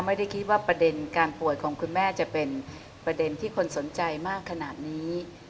ไม่ได้คิดว่าประเด็นการป่วยของคุณแม่จะเป็นประเด็นที่คนสนใจมากขนาดนี้